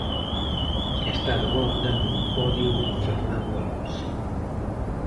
E está de volta nun podio Fernando Alonso.